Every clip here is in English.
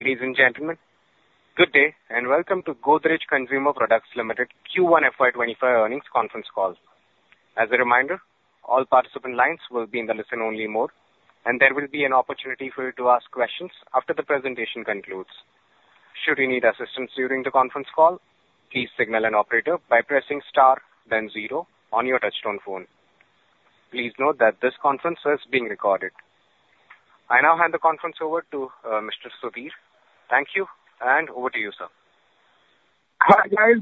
Ladies and gentlemen, good day, and welcome to Godrej Consumer Products Limited Q1 FY 2025 earnings conference call. As a reminder, all participant lines will be in the listen-only mode, and there will be an opportunity for you to ask questions after the presentation concludes. Should you need assistance during the conference call, please signal an operator by pressing star, then zero on your touch-tone phone. Please note that this conference is being recorded. I now hand the conference over to Mr. Sudhir. Thank you, and over to you, sir. Hi, guys.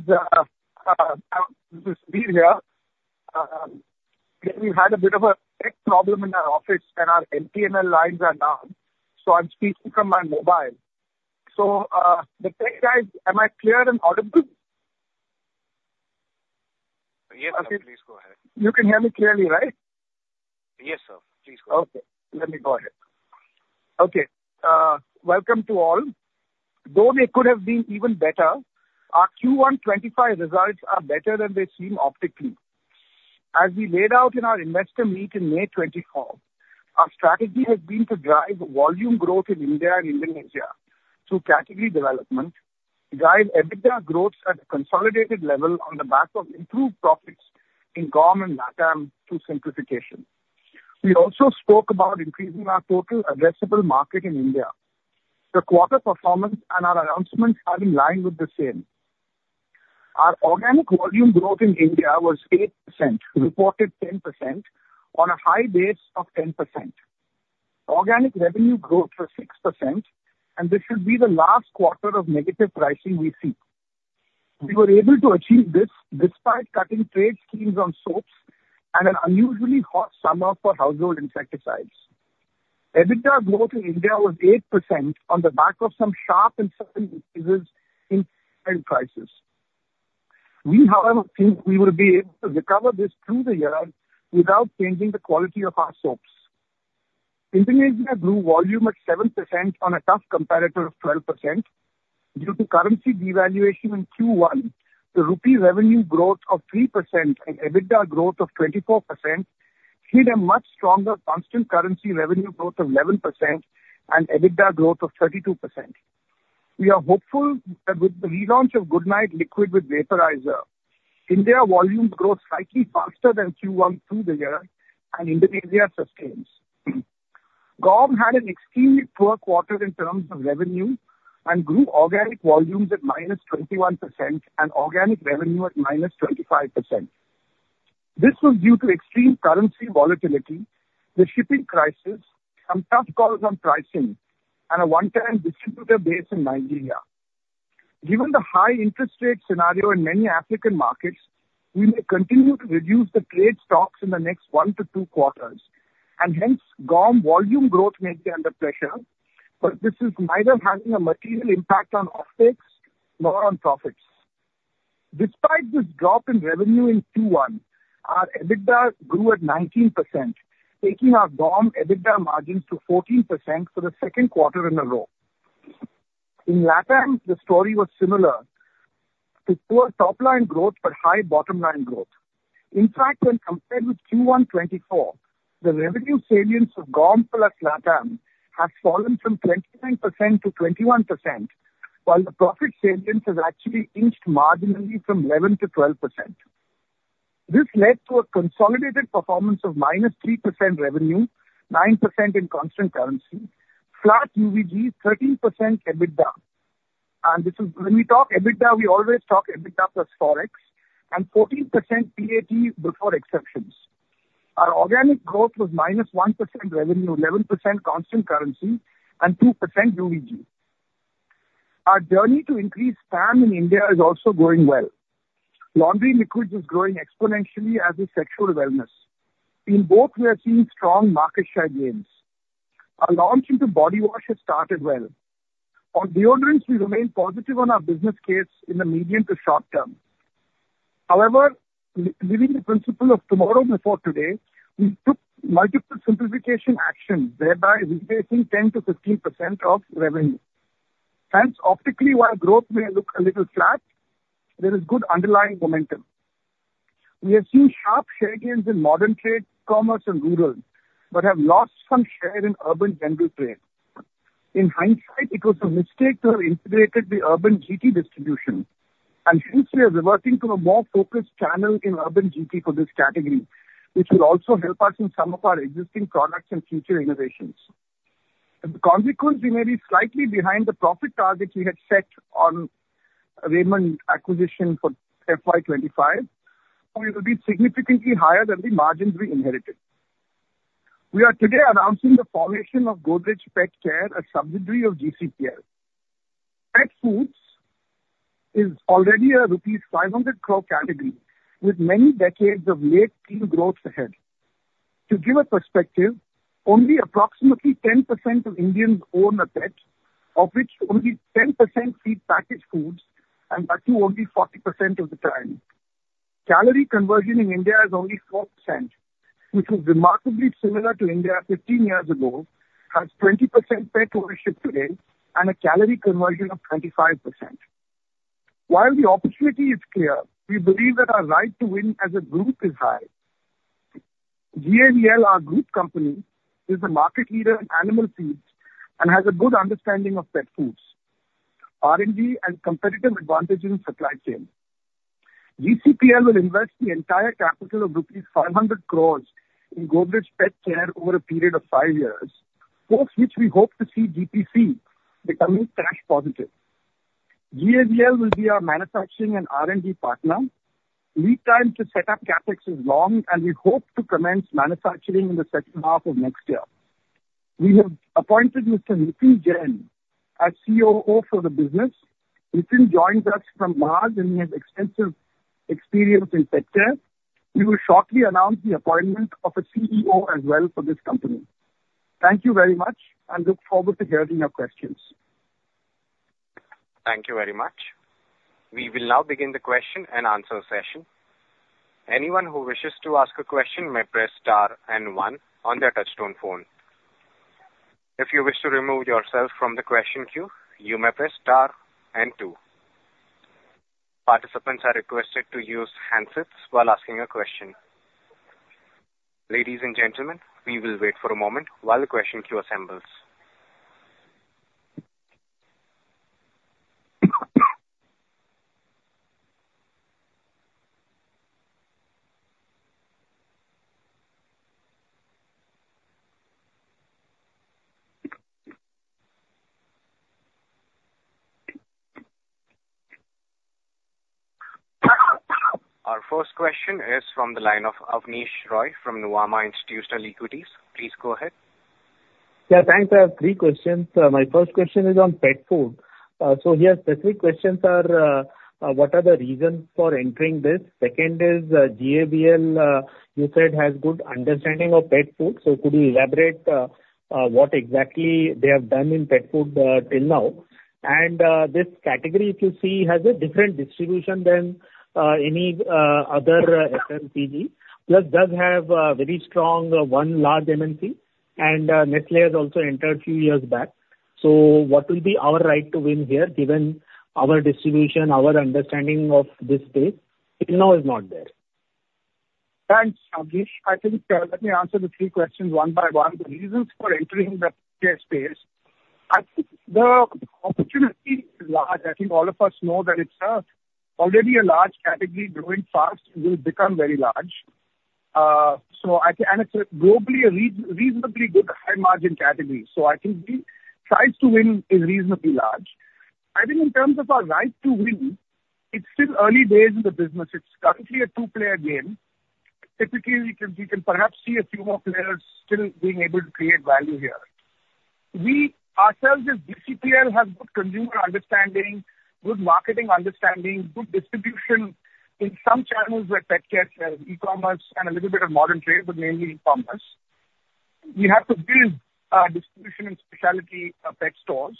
This is Sudhir here. We had a bit of a tech problem in our office, and our MPLS lines are down, so I'm speaking from my mobile. The tech guys, am I clear and audible? Yes, sir. Please go ahead. You can hear me clearly, right? Yes, sir. Please go ahead. Okay, let me go ahead. Okay, welcome to all. Though they could have been even better, our Q1 2025 results are better than they seem optically. As we laid out in our investor meet in May 2024, our strategy has been to drive volume growth in India and Indonesia through category development, drive EBITDA growth at a consolidated level on the back of improved profits in GAUM and LATAM through simplification. We also spoke about increasing our total addressable market in India. The quarter performance and our announcements are in line with the same. Our organic volume growth in India was 8%, reported 10% on a high base of 10%. Organic revenue growth was 6%, and this will be the last quarter of negative pricing we see. We were able to achieve this despite cutting trade schemes on soaps and an unusually hot summer for household insecticides. EBITDA growth in India was 8% on the back of some sharp and sudden increases in prices. We, however, think we will be able to recover this through the year without changing the quality of our soaps. Indonesia grew volume at 7% on a tough comparator of 12%. Due to currency devaluation in Q1, the rupee revenue growth of 3% and EBITDA growth of 24% hit a much stronger constant currency revenue growth of 11% and EBITDA growth of 32%. We are hopeful that with the relaunch of Goodknight Liquid Vaporizer, India volumes grow slightly faster than Q1 through the year and Indonesia sustains. GAUM had an extremely poor quarter in terms of revenue and grew organic volumes at -21% and organic revenue at -25%. This was due to extreme currency volatility, the shipping crisis, some tough calls on pricing, and a one-time distributor base in Nigeria. Given the high interest rate scenario in many African markets, we may continue to reduce the trade stocks in the next 1-2 quarters, and hence, GAUM volume growth may be under pressure, but this is neither having a material impact on OpEx nor on profits. Despite this drop in revenue in Q1, our EBITDA grew at 19%, taking our GAUM EBITDA margins to 14% for the second quarter in a row. In LATAM, the story was similar to poor top-line growth, but high bottom-line growth. In fact, when compared with Q1 2024, the revenue salience of GAUM plus LATAM has fallen from 29% to 21%, while the profit salience has actually inched marginally from 11% to 12%. This led to a consolidated performance of -3% revenue, 9% in constant currency, flat UVG, 13% EBITDA. And this is, when we talk EBITDA, we always talk EBITDA plus Forex, and 14% PAT before exceptions. Our organic growth was -1% revenue, 11% constant currency, and 2% UVG. Our journey to increase TAM in India is also going well. Laundry liquids is growing exponentially as is sexual wellness. In both, we are seeing strong market share gains. Our into body wash has started well. On Deodorants, we remain positive on our business case in the medium to short term. However, living the principle of tomorrow before today, we took multiple simplification actions, thereby risking 10%-15% of revenue. Hence, optically, while growth may look a little flat, there is good underlying momentum. We have seen sharp share gains in modern trade, commerce, and rural, but have lost some share in urban general trade. In hindsight, it was a mistake to have integrated the urban GT distribution, and hence we are reverting to a more focused channel in urban GT for this category, which will also help us in some of our existing products and future innovations. As a consequence, we may be slightly behind the profit targets we had set on Raymond acquisition for FY 2025, but it will be significantly higher than the margins we inherited. We are today announcing the formation of Godrej Pet Care, a subsidiary of GCPL. Pet Foods is already a rupees 500 crore category, with many decades of late teen growth ahead. To give a perspective, only approximately 10% of Indians own a pet, of which only 10% feed packaged foods, and that too, only 40% of the time. Calorie conversion in India is only 4%, which is remarkably similar to India 15 years ago, has 20% pet ownership today and a calorie conversion of 25%. While the opportunity is clear, we believe that our right to win as a group is high. GAVL, our group company, is the market leader in animal feeds and has a good understanding of pet foods, R&D, and competitive advantage in supply chain. GCPL will invest the entire capital of rupees 500 crore in Godrej Pet Care over a period of five years post which we hope to see GPC becoming cash positive. GAVL will be our manufacturing and R&D partner. Lead time to set up CapEx is long, and we hope to commence manufacturing in the second half of next year. We have appointed Mr. Nitin Jain as COO for the business. Nitin joined us from Mars, and he has extensive experience in pet care. We will shortly announce the appointment of a CEO as well for this company. Thank you very much, and look forward to hearing your questions. Thank you very much. We will now begin the question-and-answer session. Anyone who wishes to ask a question may press star and one on their touch-tone phone. If you wish to remove yourself from the question queue, you may press star and two. Participants are requested to use handsets while asking a question. Ladies and gentlemen, we will wait for a moment while the question queue assembles. Our first question is from the line of Abneesh Roy from Nuvama Institutional Equities. Please go ahead. Yeah, thanks. I have three questions. My first question is on pet food. So here specific questions are, what are the reasons for entering this? Second is, GAVL, you said has good understanding of pet food, so could you elaborate, what exactly they have done in pet food, till now? And, this category, if you see, has a different distribution than, any, other FMCG, plus does have a very strong one large MNC, and, Nestlé has also entered few years back. So what will be our right to win here, given our distribution, our understanding of this space? Till now is not there. Thanks, Abneesh. I think, let me answer the three questions one by one. The reasons for entering the pet care space, I think the opportunity is large. I think all of us know that it's already a large category, growing fast, and will become very large. So I think and it's a globally, a reasonably good high margin category, so I think the size to win is reasonably large. I think in terms of our right to win, it's still early days in the business. It's currently a two-player game. Typically, we can, we can perhaps see a few more players still being able to create value here. We, ourselves, as GCPL, have good consumer understanding, good marketing understanding, good distribution in some channels where pet care, e-commerce and a little bit of modern trade, but mainly e-commerce. We have to build distribution in specialty pet stores,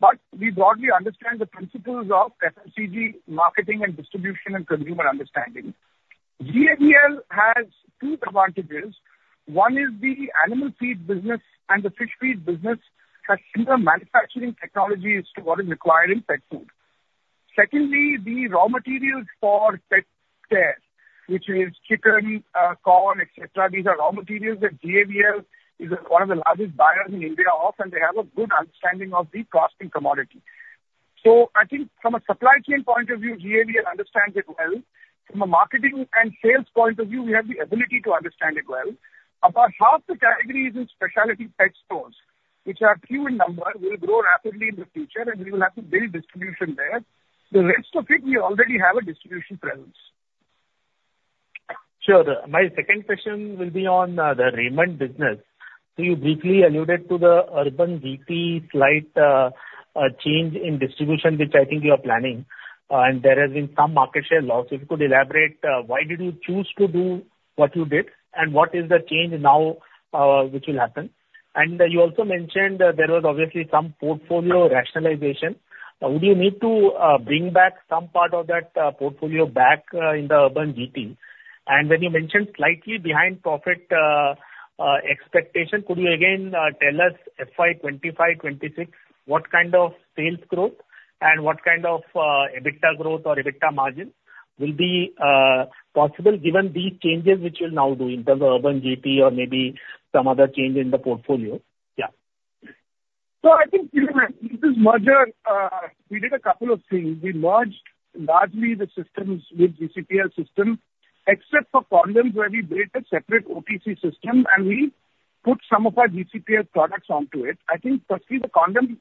but we broadly understand the principles of FMCG marketing and distribution and consumer understanding. GAVL has two advantages. One is the animal feed business and the fish feed business have similar manufacturing technologies to what is required in pet food. Secondly, the raw materials for pet care, which is chicken, corn, et cetera, these are raw materials that GAVL is one of the largest buyers in India of, and they have a good understanding of the cost and commodity. So I think from a supply chain point of view, GAVL understands it well. From a marketing and sales point of view, we have the ability to understand it well. About half the category is in specialty pet stores, which are few in number, will grow rapidly in the future, and we will have to build distribution there. The rest of it, we already have a distribution presence. Sure. My second question will be on the Raymond business. So you briefly alluded to the urban GT slight change in distribution, which I think you are planning, and there has been some market share loss. If you could elaborate, why did you choose to do what you did, and what is the change now, which will happen? And you also mentioned that there was obviously some portfolio rationalization. Would you need to bring back some part of that portfolio back in the urban GT? When you mentioned slightly behind profit expectation, could you again tell us FY 2025, 2026, what kind of sales growth and what kind of EBITDA growth or EBITDA margin will be possible, given these changes which you'll now do in terms of urban GT or maybe some other change in the portfolio? Yeah. So I think, you know, this merger, we did a couple of things. We merged largely the systems with GCPL system, except for condoms, where we built a separate OTC system and we put some of our GCPL products onto it. I think firstly, the condom.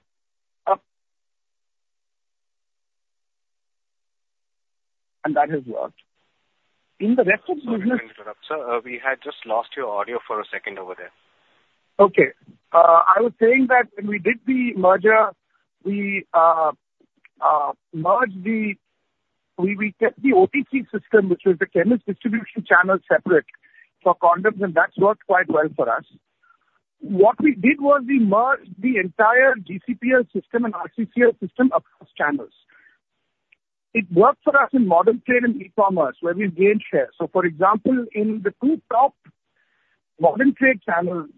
And that has worked. In the rest of business- Sorry to interrupt, sir. We had just lost your audio for a second over there. Okay. I was saying that when we did the merger, we merged the, we kept the OTC system, which was the chemist distribution channel, separate for condoms, and that's worked quite well for us. What we did was we merged the entire GCPL system and RCCL system across channels. It worked for us in modern trade and e-commerce, where we've gained share. So for example, in the two top modern trade channels,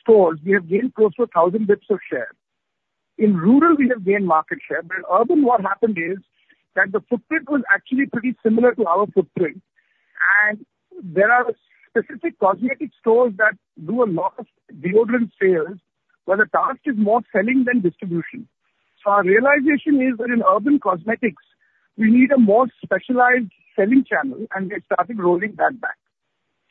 stores, we have gained close to 1,000 basis points of share. In rural, we have gained market share, but in urban, what happened is that the footprint was actually pretty similar to our footprint, and there are specific cosmetic stores that do a lot of deodorant sales, where the task is more selling than distribution. So our realization is that in urban cosmetics, we need a more specialized selling channel, and we have started rolling that back.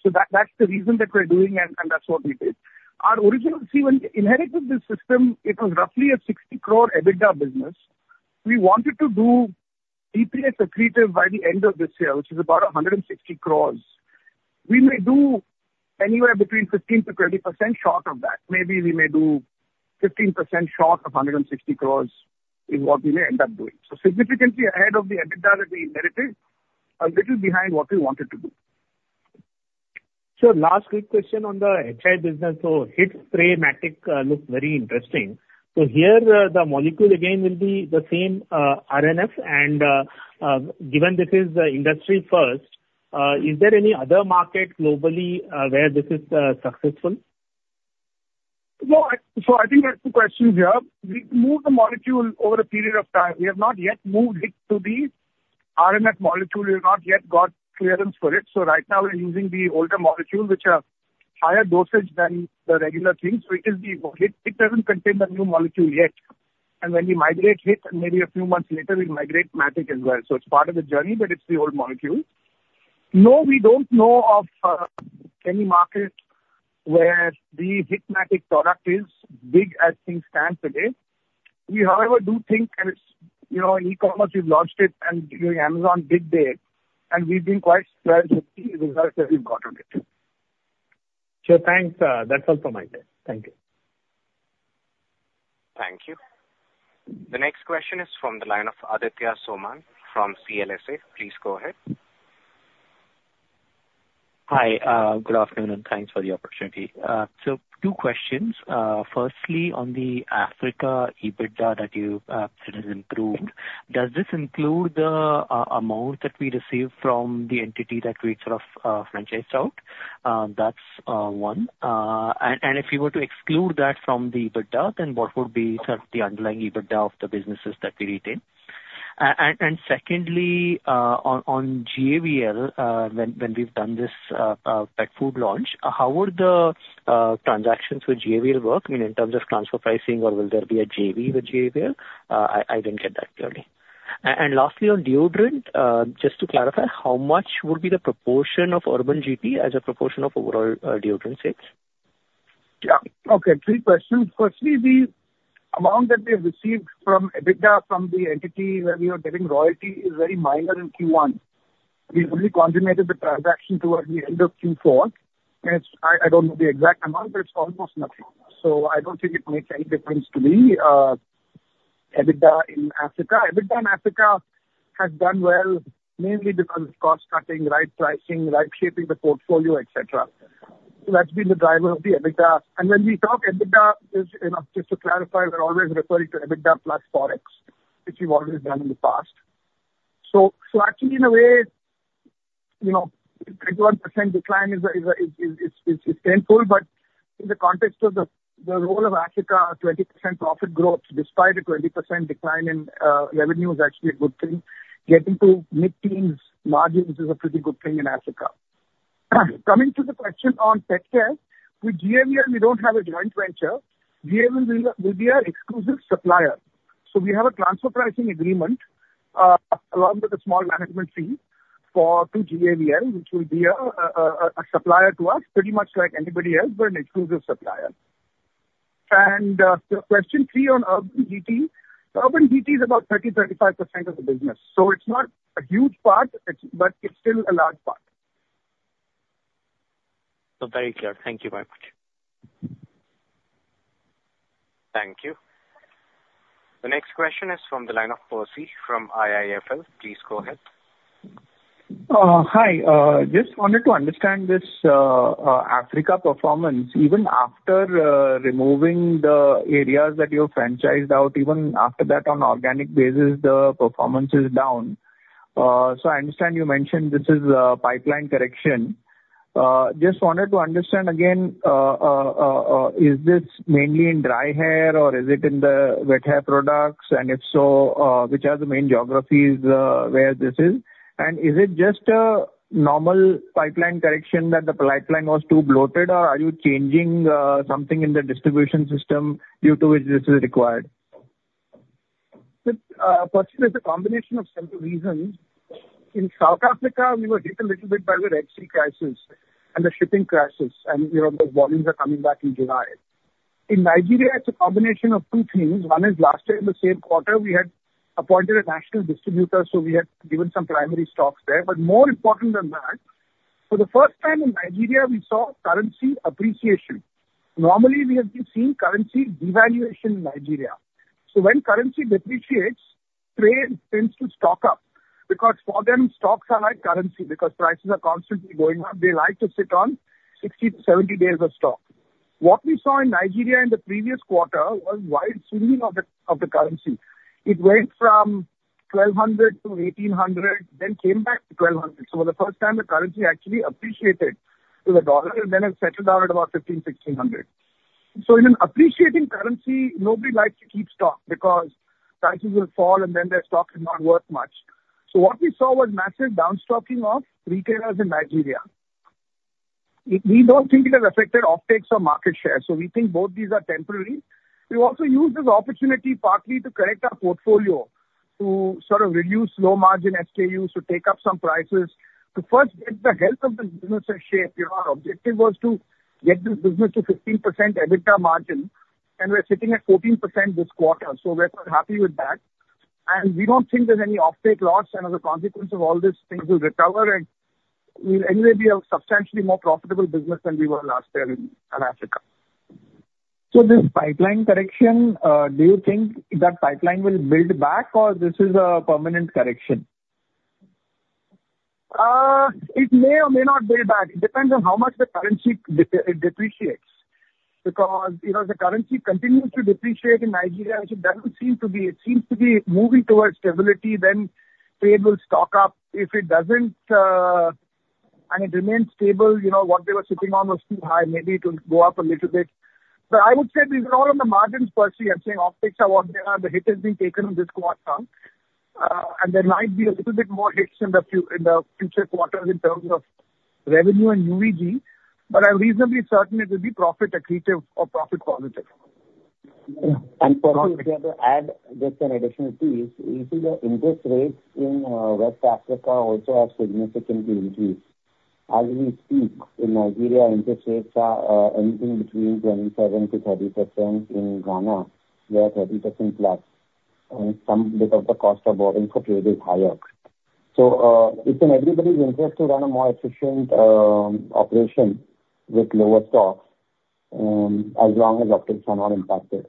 So that, that's the reason that we're doing it, and, and that's what we did. Our original. See, when we inherited this system, it was roughly 60 crore EBITDA business. We wanted to do EBITDA accretive by the end of this year, which is about 160 crores. We may do anywhere between 15%-20% short of that. Maybe we may do 15% short of 160 crores, is what we may end up doing. So significantly ahead of the EBITDA that we inherited, a little behind what we wanted to do. So last quick question on the HI business. So HIT Spray Matic looks very interesting. So here, the molecule again will be the same, RNF, and, given this is the industry first, is there any other market globally, where this is, successful? No, so I think there are two questions here. We moved the molecule over a period of time. We have not yet moved it to the RNF molecule. We've not yet got clearance for it. So right now we're using the older molecules, which are higher dosage than the regular things. So it is the, it doesn't contain the new molecule yet. And when we migrate HIT, and maybe a few months later, we migrate Matic as well. So it's part of the journey, but it's the old molecule. No, we don't know of any market where the HIT Matic product is big as things stand today. We, however, do think, and it's, you know, in e-commerce, we've launched it, and Amazon did there, and we've been quite pleased with the results that we've gotten it. Sure. Thanks. That's all from my end. Thank you. Thank you. The next question is from the line of Aditya Soman, from CLSA. Please go ahead. Hi, good afternoon, and thanks for the opportunity. So two questions. Firstly, on the Africa EBITDA that you said has improved, does this include the amount that we received from the entity that we sort of franchised out? That's one. And if you were to exclude that from the EBITDA, then what would be sort of the underlying EBITDA of the businesses that we retain? And secondly, on GAVL, when we've done this pet food launch, how would the transactions with GAVL work, I mean, in terms of transfer pricing or will there be a JV with GAVL? I didn't get that clearly. And lastly, on deodorant, just to clarify, how much would be the proportion of urban GT as a proportion of overall deodorant sales? Yeah. Okay. Three questions. Firstly, the amount that we have received from EBITDA, from the entity where we are getting royalty, is very minor in Q1. We only consummated the transaction towards the end of Q4, and it's... I don't know the exact amount, but it's almost nothing. So I don't think it makes any difference to the EBITDA in Africa. EBITDA in Africa has done well, mainly because of cost cutting, right pricing, right shaping the portfolio, et cetera. That's been the driver of the EBITDA. And when we talk EBITDA, is, you know, just to clarify, we're always referring to EBITDA plus Forex, which we've always done in the past. So actually, in a way, you know, 21% decline is a painful, but in the context of the role of Africa, 20% profit growth despite a 20% decline in revenue is actually a good thing. Getting to mid-teens margins is a pretty good thing in Africa. Coming to the question on pet care, with GAVL, we don't have a joint venture. GAVL will be an exclusive supplier. So we have a transfer pricing agreement along with a small management fee to GAVL, which will be a supplier to us, pretty much like anybody else, but an exclusive supplier. So question three on urban GT. Urban GT is about 30%-35% of the business, so it's not a huge part, but it's still a large part. Very clear. Thank you very much. Thank you. The next question is from the line of Percy from IIFL. Please go ahead. Hi. Just wanted to understand this Africa performance. Even after removing the areas that you've franchised out, even after that, on organic basis, the performance is down. So I understand you mentioned this is a pipeline correction. Just wanted to understand again, is this mainly in dry hair or is it in the wet hair products? And if so, which are the main geographies where this is? And is it just a normal pipeline correction that the pipeline was too bloated, or are you changing something in the distribution system due to which this is required? Percy, there's a combination of several reasons. In South Africa, we were hit a little bit by the Red Sea crisis and the shipping crisis, and, you know, the volumes are coming back in July. In Nigeria, it's a combination of two things. One is, last year in the same quarter, we had appointed a national distributor, so we had given some primary stocks there. But more important than that, for the first time in Nigeria, we saw currency appreciation. Normally, we have been seeing currency devaluation in Nigeria. So when currency depreciates, trade tends to stock up, because for them, stocks are like currency, because prices are constantly going up. They like to sit on 60-70 days of stock. What we saw in Nigeria in the previous quarter was wild swinging of the currency. It went from 1,200 to 1,800, then came back to 1,200. So for the first time, the currency actually appreciated to the dollar, and then it settled down at about 1,500-1,600. So in an appreciating currency, nobody likes to keep stock because prices will fall and then their stock is not worth much. So what we saw was massive downstocking of retailers in Nigeria. We, we don't think it has affected offtakes or market share, so we think both these are temporary. We also used this opportunity partly to correct our portfolio, to sort of reduce low-margin SKUs, to take up some prices, to first get the health of the business in shape. You know, our objective was to get this business to 15% EBITDA margin, and we're sitting at 14% this quarter, so we're quite happy with that. We don't think there's any offtake loss, and as a consequence of all this, things will recover and we'll anyway be a substantially more profitable business than we were last year in Africa. So this pipeline correction, do you think that pipeline will build back, or this is a permanent correction? It may or may not build back. It depends on how much the currency depreciates, because, you know, the currency continues to depreciate in Nigeria, and it doesn't seem to be-- It seems to be moving towards stability, then trade will stock up. If it doesn't, and it remains stable, you know, what they were sitting on was too high, maybe it will go up a little bit. But I would say these are all on the margins, Percy. I'm saying offtakes are what they are. The hit has been taken in this quarter, and there might be a little bit more hits in the future quarters in terms of revenue and UVG, but I'm reasonably certain it will be profit accretive or profit positive. And Percy, if I may add just an additional piece, you see the interest rates in West Africa also have significantly increased. As we speak, in Nigeria, interest rates are anything between 27%-30%. In Ghana, they are 30%+, and some bit of the cost of borrowing for trade is higher. So, it's in everybody's interest to run a more efficient operation with lower stocks as long as offtakes are not impacted.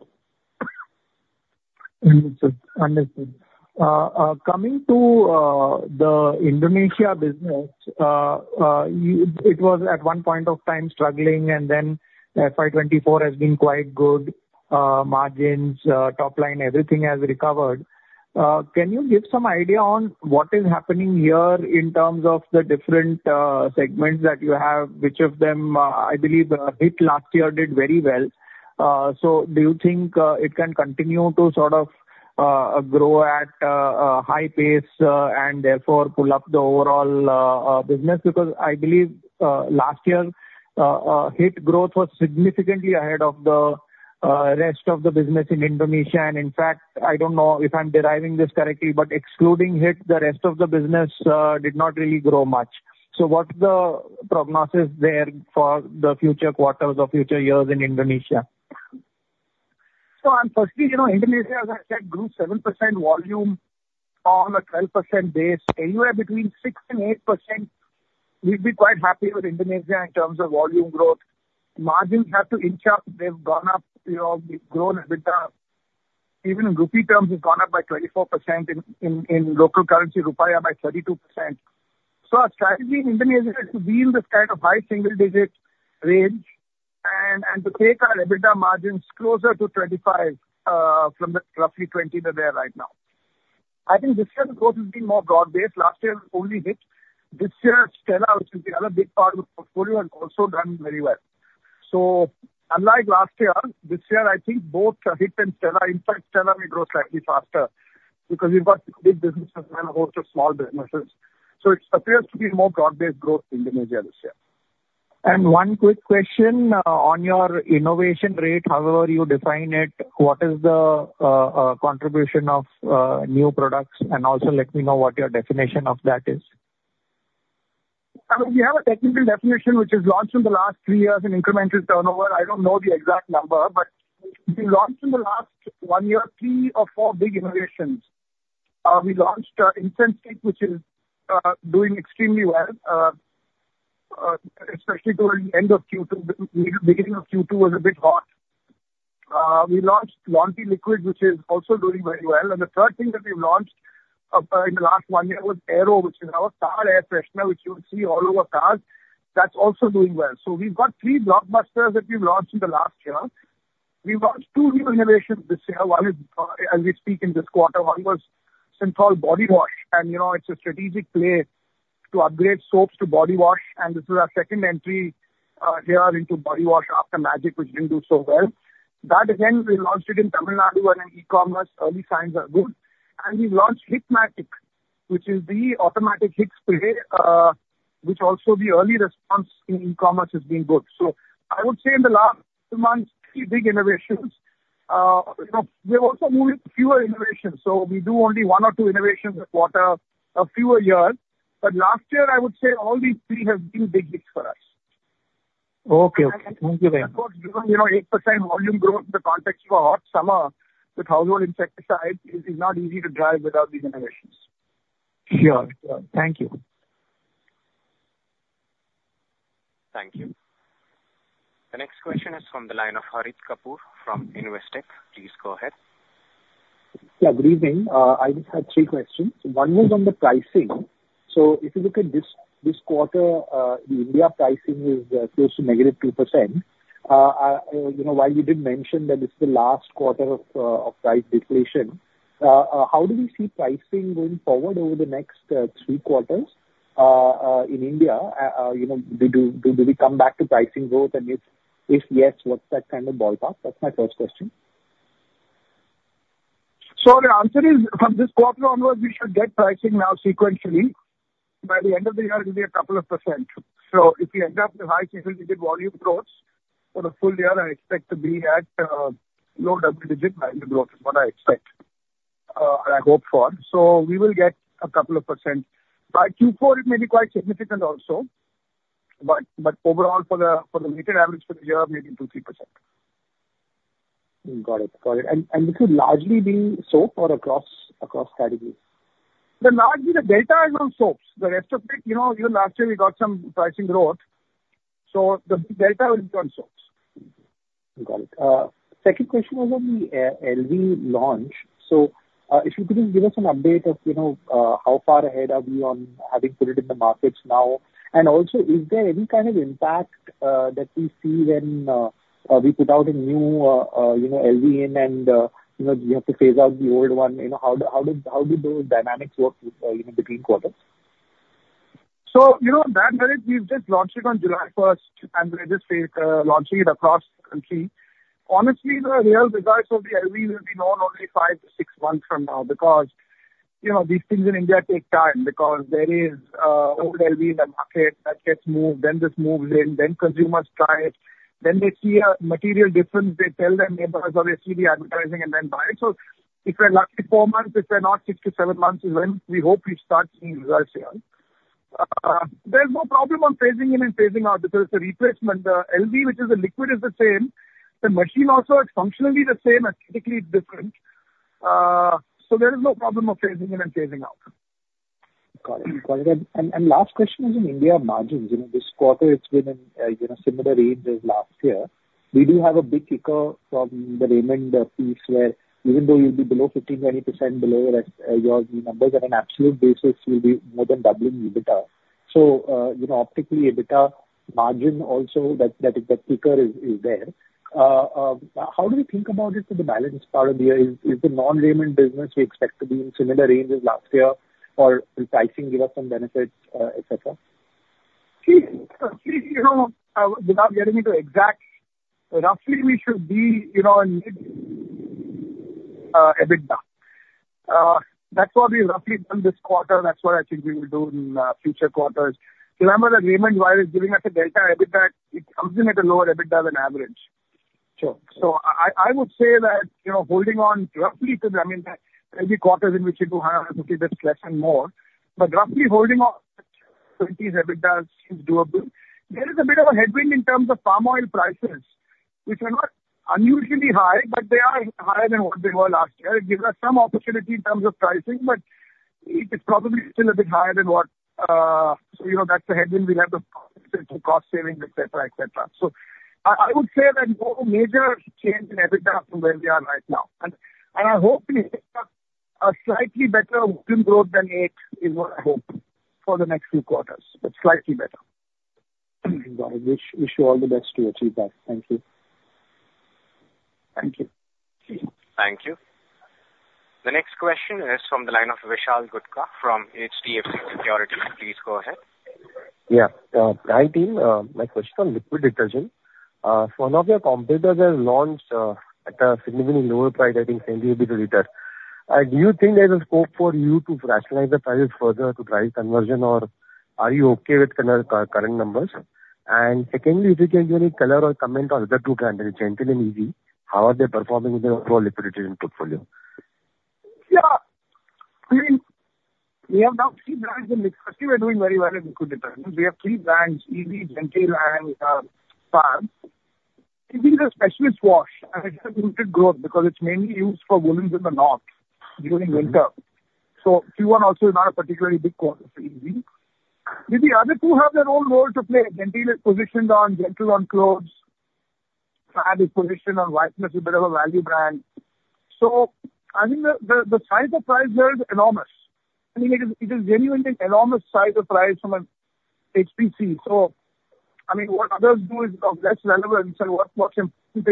Understood. Coming to the Indonesia business, you, it was at one point of time struggling, and then FY 2024 has been quite good. Margins, top line, everything has recovered. Can you give some idea on what is happening here in terms of the different segments that you have? Which of them, I believe, HIT last year did very well. So do you think it can continue to sort of grow at a high pace and therefore pull up the overall business? Because I believe last year HIT growth was significantly ahead of the rest of the business in Indonesia. And in fact, I don't know if I'm deriving this correctly, but excluding HIT, the rest of the business did not really grow much. What's the prognosis there for the future quarters or future years in Indonesia? Firstly, you know, Indonesia, as I said, grew 7% volume on a 12% base, anywhere between 6%-8%, we'd be quite happy with Indonesia in terms of volume growth. Margins have to inch up. They've gone up, you know, we've grown EBITDA. Even in rupee terms, we've gone up by 24%, in local currency, rupiah, by 32%. So our strategy in Indonesia is to be in this kind of high single digit range and to take our EBITDA margins closer to 25, from the roughly 20 that they are right now. I think this year the growth will be more broad-based. Last year, it was only HIT. This year, Stella, which is the other big part of the portfolio, has also done very well. So unlike last year, this year, I think both HIT and Stella. In fact, Stella may grow slightly faster because we've got big businesses and a host of small businesses, so it appears to be more broad-based growth, Indonesia, this year. One quick question on your innovation rate, however you define it, what is the contribution of new products? And also let me know what your definition of that is. We have a technical definition, which is launched in the last three years in incremental turnover. I don't know the exact number, but we launched in the last one year three or four big innovations. We launched Incense Stick, which is doing extremely well, especially towards the end of Q2. Beginning of Q2 was a bit hot. We launched Laundry Liquid, which is also doing very well. And the third thing that we've launched in the last one year was Aer O, which is our car air freshener, which you will see all over cars. That's also doing well. So we've got three blockbusters that we've launched in the last year. We've launched two new innovations this year. One is, as we speak, in this quarter. One was Cinthol Body Wash, and you know, it's a strategic play to upgrade soaps to body wash, and this is our second entry here into body wash after Magic, which didn't do so well. That again, we launched it in Tamil Nadu and in e-commerce. Early signs are good. And we launched HIT Matic, which is the automatic HIT spray, which also the early response in e-commerce has been good. So I would say in the last two months, three big innovations. You know, we're also moving to fewer innovations, so we do only one or two innovations a quarter, a few a year. But last year, I would say all these three have been big hits for us. Okay. Okay. Thank you very much. Of course, you know, 8% volume growth in the context of a hot summer with household insecticides is not easy to drive without these innovations. Sure. Sure. Thank you. Thank you. The next question is from the line of Harit Kapoor from Investec. Please go ahead. Yeah, good evening. I just have three questions. One was on the pricing. So if you look at this, this quarter, the India pricing is close to negative 2%.You know, while you did mention that it's the last quarter of price deflation, how do we see pricing going forward over the next three quarters in India? You know, do we come back to pricing growth? And if yes, what's that kind of ballpark? That's my first question. So the answer is, from this quarter onwards, we should get pricing now sequentially. By the end of the year, it'll be a couple of percent. So if we end up with high single-digit volume growth for the full year, I expect to be at, low double-digit volume growth is what I expect, and I hope for. So we will get a couple of %. By Q4, it may be quite significant also, but overall, for the weighted average for the year, maybe 2%-3%. Got it. Got it. And, and this would largely be soap or across categories? The large delta is on soaps. The rest of it, you know, even last year we got some pricing growth, so the delta will be on soaps. Got it. Second question was on the LV launch. So, if you could just give us an update of, you know, how far ahead are we on having put it in the markets now? And also, is there any kind of impact that we see when we put out a new, you know, LV in and, you know, we have to phase out the old one? You know, how do those dynamics work with, you know, between quarters? So, you know, that we've just launched it on July first, and we're just launching it across the country. Honestly, the real results of the LV will be known only five to six months from now, because, you know, these things in India take time, because there is old LV in the market that gets moved, then this moves in, then consumers try it, then they see a material difference, they tell their neighbors, or they see the advertising and then buy it. So if we're lucky, four months, if we're not, six to seven months is when we hope we start seeing results here. There's no problem on phasing in and phasing out because it's a replacement. LV, which is a liquid, is the same. The machine also is functionally the same, aesthetically different. There is no problem of phasing in and phasing out. Got it. Got it. And last question is on India margins. You know, this quarter it's been in, you know, similar range as last year. We do have a big kicker from the Raymond piece where even though you'll be below 15%-20% below your numbers at an absolute basis will be more than doubling EBITDA. So, you know, optically, EBITDA margin also, that kicker is there. How do we think about it for the balance part of the year? Is the non-Raymond business we expect to be in similar range as last year or will pricing give us some benefits, et cetera? See, see, you know, without getting into exact, roughly we should be, you know, in, EBITDA. That's what we've roughly done this quarter, and that's what I think we will do in, future quarters. Remember, the Raymond, while is giving us a delta EBITDA, it comes in at a lower EBITDA than average. Sure. So, I would say that, you know, holding on roughly to the, I mean, every quarter in which you do have a bit less and more, but roughly holding on to these EBITDA is doable. There is a bit of a headwind in terms of palm oil prices, which are not unusually high, but they are higher than what they were last year. It gives us some opportunity in terms of pricing, but it is probably still a bit higher than what, so you know, that's the headwind. We have the cost saving, et cetera, et cetera. So, I would say that no major change in EBITDA from where we are right now. And, I hope we pick up a slightly better volume growth than 8%, is what I hope for the next few quarters, but slightly better. Got it. Wish, wish you all the best to achieve that. Thank you. Thank you. Thank you. The next question is from the line of Vishal Gutka, from HDFC Securities. Please go ahead. Yeah, hi, team. My question on liquid detergent. So one of your competitors has launched, at a significantly lower price, I think, INR 1 per liter. Do you think there is a scope for you to rationalize the prices further to drive conversion, or are you okay with current numbers? And secondly, if you can give me color or comment on the other two brands, Genteel and Ezee, how are they performing in the overall liquid detergent portfolio? Yeah. I mean, we have now three brands in liquid. Actually, we're doing very well in liquid detergent. We have three brands, Ezee, Genteel, and Fab. Giving a specialist wash, and it has limited growth because it's mainly used for women in the north during winter. So Q1 also is not a particularly big quarter for Ezee. The other two have their own role to play. Genteel is positioned on gentle on clothes. Fab is positioned on whiteness, a bit of a value brand. So I think the size of prize there is enormous. I mean, it is genuinely an enormous size of prize from an HPC. So, I mean, what others do is of less relevance and what's important is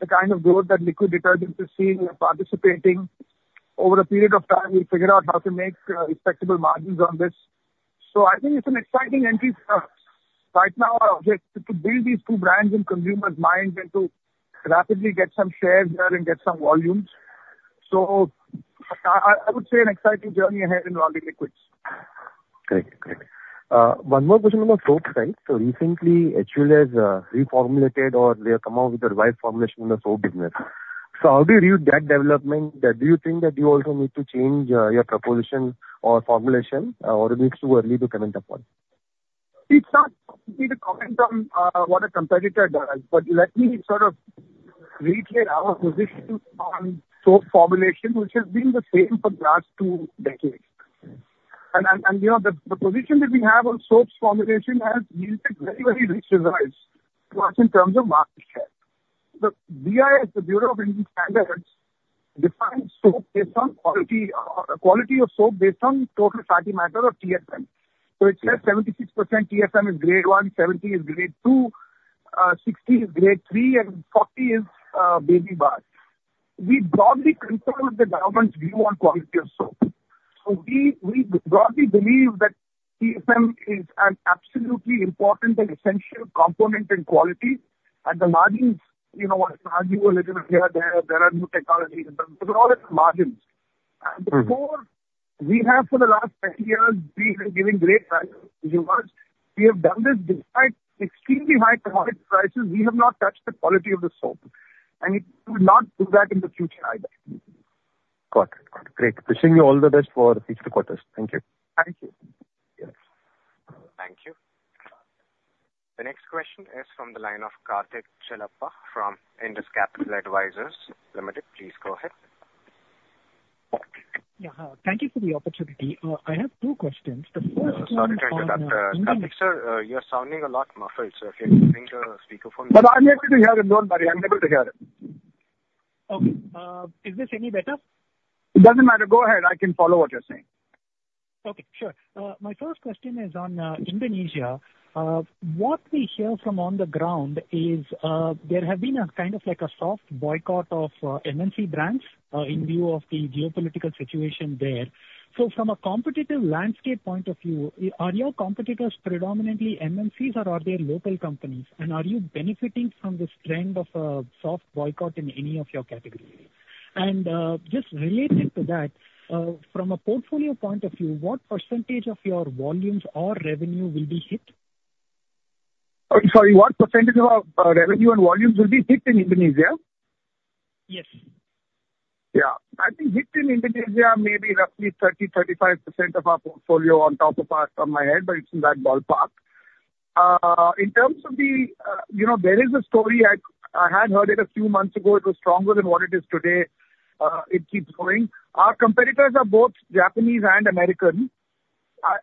the kind of growth that liquid detergent is seeing and participating. Over a period of time, we'll figure out how to make respectable margins on this. So I think it's an exciting entry for us. Right now, our objective to build these two brands in consumers' minds and to rapidly get some shares there and get some volumes. So I would say an exciting journey ahead in laundry liquids. Great. Great. One more question on the soap side. So recently, HUL has reformulated or they have come out with a revised formulation in the soap business. So how do you view that development? Do you think that you also need to change your proposition or formulation, or it is too early to comment upon? It's not easy to comment on what a competitor does, but let me sort of reiterate our position on soap formulation, which has been the same for the last two decades. You know, the position that we have on soaps formulation has yielded very, very rich results for us in terms of market share. The BIS, the Bureau of Indian Standards, defines soap based on quality of soap based on total fatty matter or TFM. So it says 76% TFM is grade one, 70 is grade two, 60 is grade three, and 40 is baby bar. We broadly concur with the government's view on quality of soap. So we broadly believe that TFM is an absolutely important and essential component in quality and the margins, you know, one can argue a little here, there are new technologies, but they're all margins. Before, we have for the last 10 years, we have been giving great value to you once. We have done this despite extremely high commodity prices, we have not touched the quality of the soap, and we will not do that in the future either. Got it. Got it. Great. Wishing you all the best for future quarters. Thank you. Thank you. Yes. Thank you. The next question is from the line of Karthik Chellappa from Indus Capital Advisors. Please go ahead. Yeah, hi. Thank you for the opportunity. I have two questions. The first- Sorry, Karthik, sir, you're sounding a lot muffled, so if you can bring the speakerphone. But I'm able to hear him. Don't worry, I'm able to hear him. Okay. Is this any better? It doesn't matter. Go ahead, I can follow what you're saying. Okay, sure. My first question is on Indonesia. What we hear from on the ground is, there have been a kind of like a soft boycott of MNC brands, in view of the geopolitical situation there. So from a competitive landscape point of view, are your competitors predominantly MNCs or are they local companies? And are you benefiting from this trend of a soft boycott in any of your categories? And, just related to that, from a portfolio point of view, what percentage of your volumes or revenue will be hit? Oh, sorry, what percentage of our revenue and volumes will be hit in Indonesia? Yes. Yeah. I think HIT in Indonesia, maybe roughly 30%-35% of our portfolio off the top of my head, but it's in that ballpark. In terms of the, you know, there is a story. I had heard it a few months ago; it was stronger than what it is today. It keeps growing. Our competitors are both Japanese and American.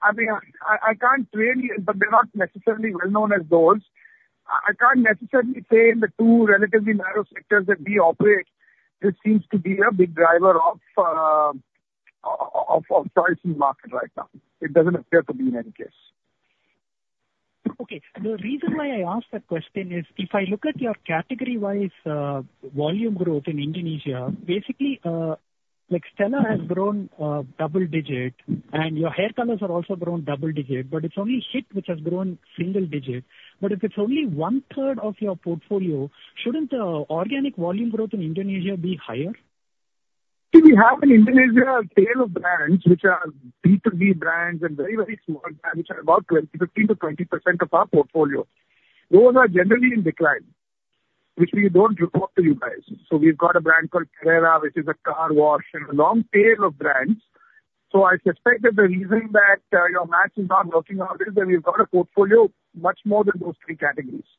I mean, I can't really. But they're not necessarily well-known as those. I can't necessarily say in the two relatively narrow sectors that we operate, this seems to be a big driver of choice in market right now. It doesn't appear to be in any case. Okay. The reason why I asked that question is, if I look at your category-wise volume growth in Indonesia, basically, like, Stella has grown double-digit, and your hair colors have also grown double-digit, but it's only HIT which has grown single-digit. But if it's only one-third of your portfolio, shouldn't the organic volume growth in Indonesia be higher? See, we have in Indonesia, a tail of brands which are B2B brands and very, very small brands, which are about 20%, 15%-20% of our portfolio. Those are generally in decline, which we don't report to you guys. So we've got a brand called Carrera, which is a car wash and a long tail of brands. So I suspect that the reason that, your math is not working out is that we've got a portfolio much more than those three categories.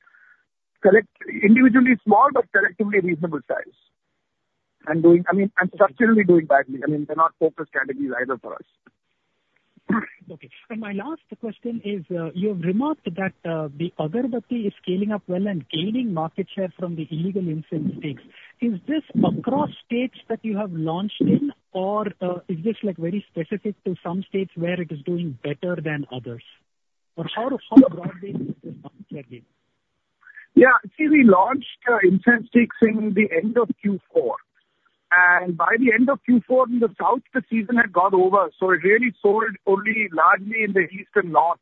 Individually small, but collectively reasonable size, and doing. I mean, and structurally doing badly. I mean, they're not focused categories either for us. Okay. My last question is, you've remarked that the Agarbatti is scaling up well and gaining market share from the illegal incense sticks. Is this across states that you have launched in, or is this, like, very specific to some states where it is doing better than others? Or how broadly is this market again? Yeah. See, we launched our incense sticks in the end of Q4, and by the end of Q4, in the south, the season had gone over, so it really sold only largely in the east and north.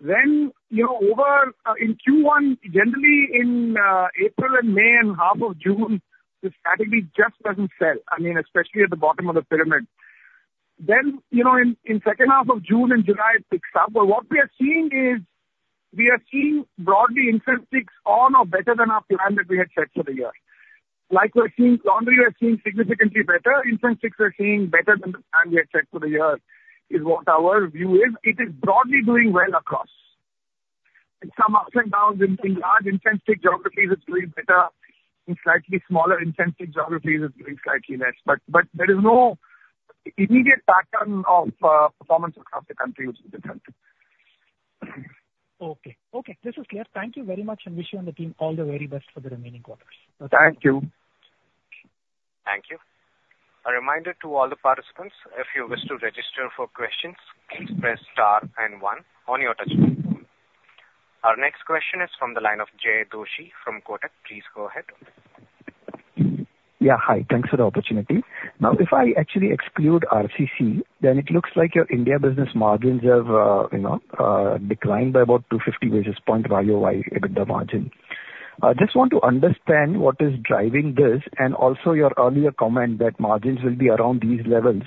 Then, you know, over in Q1, generally in April and May and half of June, this category just doesn't sell, I mean, especially at the bottom of the pyramid. Then, you know, in second half of June and July, it picks up. But what we are seeing is, we are seeing broadly incense sticks on or better than our plan that we had set for the year. Like we're seeing, laundry we're seeing significantly better, incense sticks we're seeing better than the plan we had set for the year, is what our view is. It is broadly doing well across. In some ups and downs in large incense stick geographies, it's doing better. In slightly smaller incense stick geographies, it's doing slightly less. But there is no immediate pattern of performance across the country, which we can tell you. Okay. Okay, this is clear. Thank you very much, and wish you and the team all the very best for the remaining quarters. Thank you. Thank you. A reminder to all the participants, if you wish to register for questions, please press star and one on your touch-tone phone. Our next question is from the line of Jay Doshi from Kotak. Please go ahead. Yeah, hi. Thanks for the opportunity. Now, if I actually exclude RCC, then it looks like your India business margins have, you know, declined by about 250 basis points YoY EBITDA margin. I just want to understand what is driving this, and also your earlier comment that margins will be around these levels.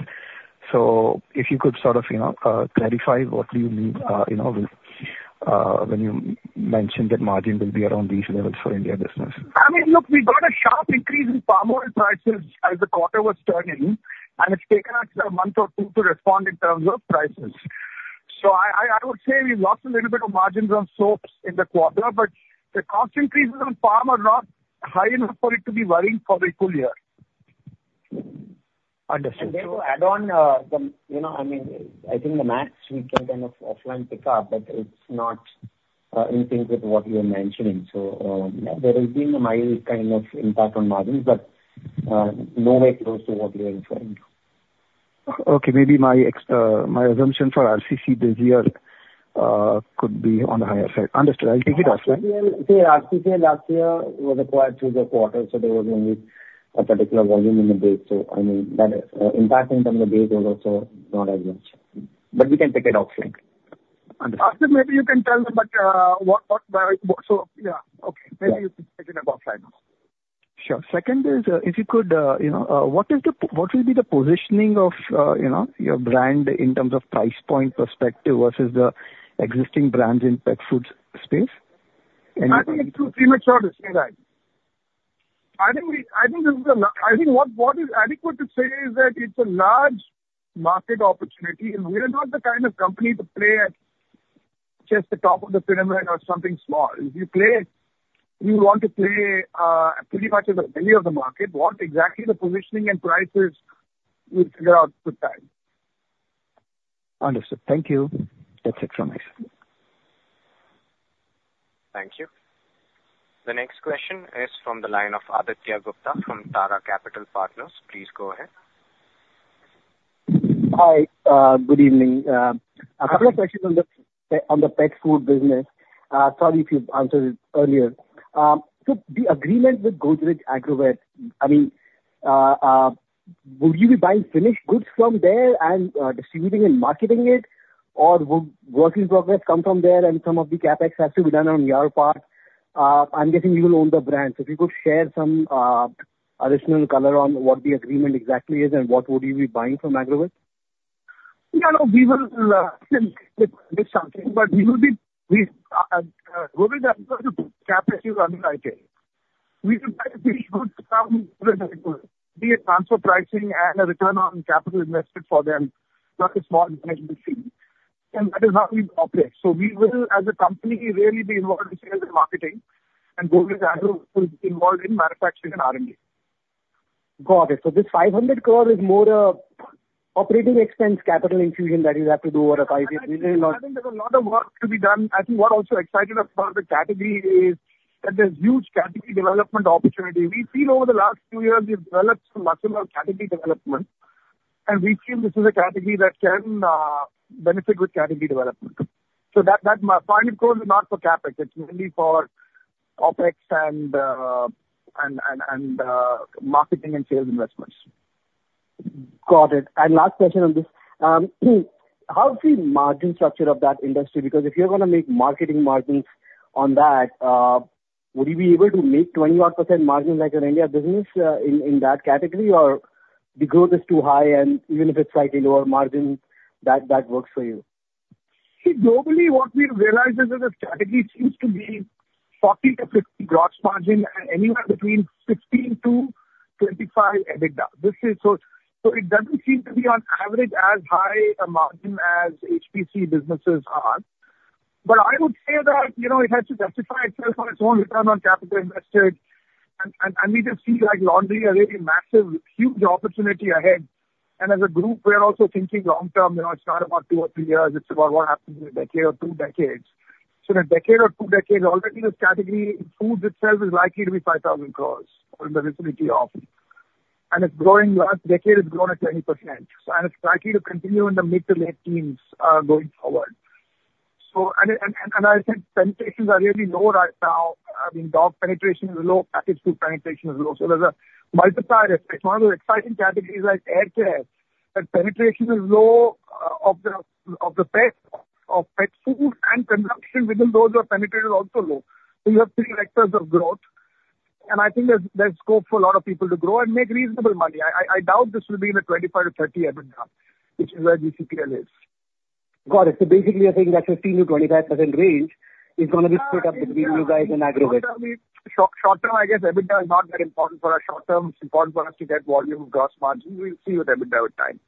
So if you could sort of, you know, clarify what do you mean, you know, when you mentioned that margin will be around these levels for India business? I mean, look, we got a sharp increase in palm oil prices as the quarter was turning, and it's taken us a month or two to respond in terms of prices. So I would say we lost a little bit of margins on soaps in the quarter, but the cost increases on palm are not high enough for it to be worrying for the full year. Understood. Then to add on, you know, I mean, I think the math we can kind of offline pick up, but it's not in sync with what you are mentioning. So, there has been a mild kind of impact on margins, but nowhere close to what you are referring to. Okay, maybe my assumption for RCC this year could be on the higher side. Understood. I'll take it offline. RCC, last year, was acquired through the quarter, so there was only a particular volume in the base. So I mean, that impact in terms of base was also not as much. But we can take it offline. Understood. Aasif, maybe you can tell him, but what, so, yeah. Okay. Yeah. Maybe you can take it offline. Sure. Second is, if you could, you know, what is the, what will be the positioning of, you know, your brand in terms of price point perspective versus the existing brands in pet foods space? I think it's too premature to say that. I think what is adequate to say is that it's a large market opportunity, and we are not the kind of company to play at just the top of the pyramid or something small. If you play, we want to play pretty much the belly of the market. What exactly the positioning and prices, we'll figure out with time. Understood. Thank you. That's it from my side. Thank you. The next question is from the line of Aditya Gupta from Tara Capital Partners. Please go ahead. Hi, good evening. A couple of questions on the pet food business. Sorry if you've answered it earlier. So the agreement with Godrej Agrovet, I mean, will you be buying finished goods from there and distributing and marketing it? Or will work in progress come from there and some of the CapEx has to be done on your part. I'm guessing you will own the brand. So if you could share some additional color on what the agreement exactly is, and what would you be buying from Agrovet? Yeah, no, we will share something, but we will be, we, Godrej Agrovet CapEx is underwriting. We will try to be good to come to the table, be a transfer pricing and a return on capital invested for them, not a small business to see. And that is how we operate. So we will, as a company, really be involved in sales and marketing, and Godrej Agrovet will be involved in manufacturing and R&D. Got it. So this 500 crore is more, operating expense, capital infusion that you have to do over a five-year, not- I think there's a lot of work to be done. I think what also excited about the category is that there's huge category development opportunity. We've seen over the last few years, we've developed massive category development, and we feel this is a category that can benefit with category development. So that INR 500 crore is not for CapEx. It's mainly for OpEx and marketing and sales investments. Got it. And last question on this: how is the margin structure of that industry? Because if you're gonna make marketing margins on that, would you be able to make 20-odd% margin like your India business, in that category? Or the growth is too high, and even if it's slightly lower margin, that works for you? See, globally, what we've realized is that the category seems to be 40%-50% gross margin and anywhere between 16%-25% EBITDA. This is so, so it doesn't seem to be on average as high a margin as HPC businesses are. But I would say that, you know, it has to justify itself on its own return on capital invested, and, and, and we just see, like, laundry, a really massive, huge opportunity ahead. And as a group, we are also thinking long term. You know, it's not about two or three years, it's about what happens in a decade or two decades. So in a decade or two decades, already this category, foods itself is likely to be 5,000 crore or in the vicinity of. It's growing. Last decade it's grown at 20%, so it's likely to continue in the mid- to late teens going forward. So, I think penetrations are really low right now. I mean, dog penetration is low, packaged food penetration is low. So there's a multiplier effect. One of the exciting categories like hair care, the penetration is low of the pet food, and consumption within those who are penetrated is also low. So you have three vectors of growth, and I think there's scope for a lot of people to grow and make reasonable money. I doubt this will be in the 25%-30% EBITDA, which is where GCPL is. Got it. So basically, you're saying that 15%-25% range is gonna be split up between you guys and Agrovet. Short, short term, I guess EBITDA is not very important for us. Short term, it's important for us to get volume, gross margin. We'll see with EBITDA with time.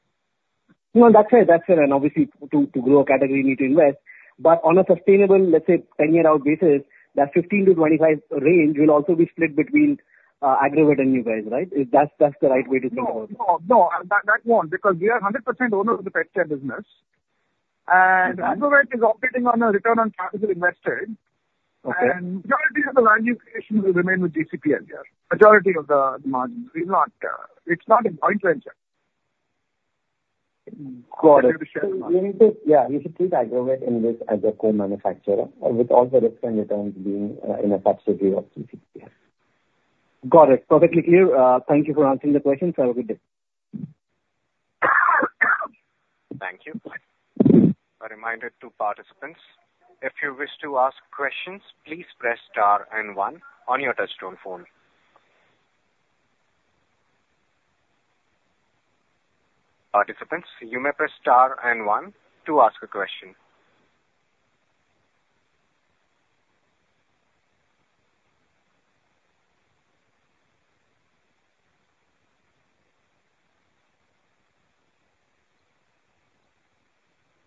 No, that's fair, that's fair, and obviously to, to grow a category, you need to invest. But on a sustainable, let's say, 10-year out basis, that 15%-25% range will also be split between Agrovet and you guys, right? If that's, that's the right way to think of it. No, no, no, that, that won't, because we are 100% owner of the pet care business, and. Okay. Agrovet is operating on a return on capital invested. Okay. Majority of the value creation will remain with GCPL here. Majority of the margin is not, it's not a joint venture. Got it. Share the margin. Yeah, you should keep Agrovet in this as a co-manufacturer, with all the risk and returns being in a subsidiary of GCPL. Got it. Perfectly clear. Thank you for answering the questions. Have a good day. Thank you. A reminder to participants, if you wish to ask questions, please press star and one on your touch-tone phone. Participants, you may press star and one to ask a question.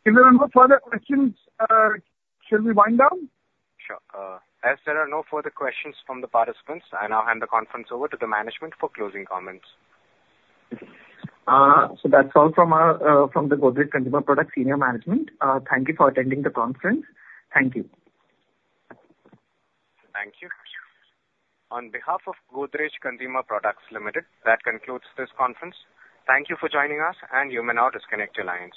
If there are no further questions, shall we wind down? Sure. As there are no further questions from the participants, I now hand the conference over to the management for closing comments. So that's all from the Godrej Consumer Products senior management. Thank you for attending the conference. Thank you. Thank you. On behalf of Godrej Consumer Products Limited, that concludes this conference. Thank you for joining us, and you may now disconnect your lines.